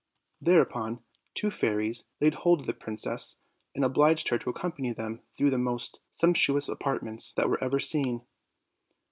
Thereupon two fairies laid hold of the princess and obliged her to accompany them through the most sump tuous apartments that were ever seen.